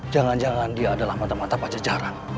jangan jangan dia adalah mata mata pak jajaran